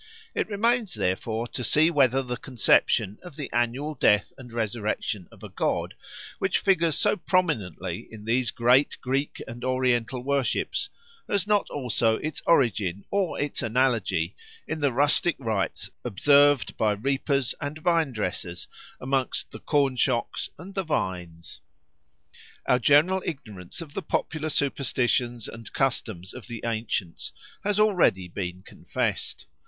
It remains, therefore, to see whether the conception of the annual death and resurrection of a god, which figures so prominently in these great Greek and Oriental worships, has not also its origin or its analogy in the rustic rites observed by reapers and vine dressers amongst the corn shocks and the vines. Our general ignorance of the popular superstitions and customs of the ancients has already been confessed.